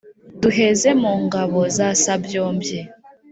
Duheze mu ngabo ya Sabyombyi